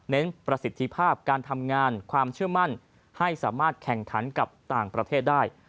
ประสิทธิภาพการทำงานความเชื่อมั่นให้สามารถแข่งขันกับต่างประเทศได้